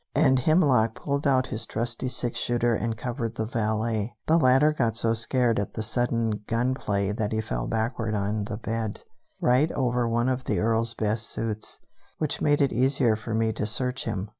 And Hemlock pulled out his trusty six shooter and covered the valet. The latter got so scared at the sudden gun play that he fell backward on the bed, right over one of the Earl's best suits, which made it easier for me to search him.